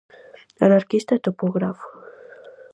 Anarquista e topógrafo.